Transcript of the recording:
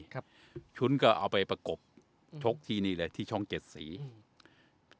ครับชุดก็เอาไปประกบชกที่นี่เลยที่ช่องเจ็ดสีอืม